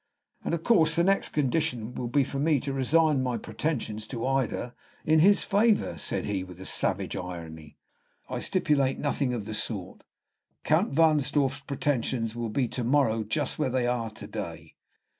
"And, of course, the next condition will be for me to resign my pretensions to Ida in his favor," said he, with a savage irony. "I stipulate for nothing of the sort; Count Wahnsdorf's pretensions will be to morrow just where they are to day."